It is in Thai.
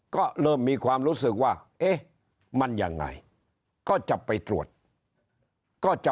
ก็เริ่มมีความรู้สึกว่าเอ๊ะมันยังไงก็จะไปตรวจก็จะ